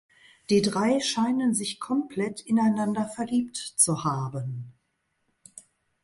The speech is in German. Die drei scheinen sich komplett ineinander verliebt zu haben.